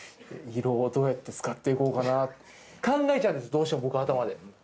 色をどうやって使っていこうかなって、考えちゃうんです、どうしても僕、頭で。